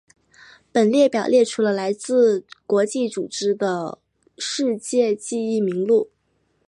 本列表列出了来自国际组织的世界记忆名录。